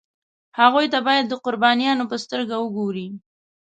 هغوی ته باید د قربانیانو په سترګه وګوري.